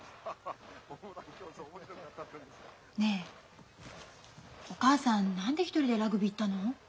ねえお母さん何で一人でラグビー行ったの？